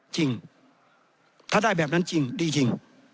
จริงถ้าได้แบบนั้นจริงดีจริง